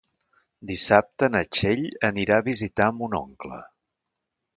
Dissabte na Txell anirà a visitar mon oncle.